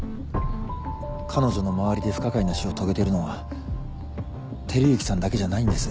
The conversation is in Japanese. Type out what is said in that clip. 彼女の周りで不可解な死を遂げてるのは輝幸さんだけじゃないんです